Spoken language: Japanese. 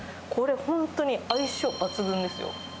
これ、本当に相性抜群ですよ。